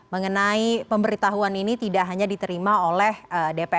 mengenai pemberitahuan ini tidak hanya diterima oleh dpr